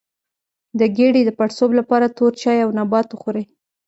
د ګیډې د پړسوب لپاره تور چای او نبات وخورئ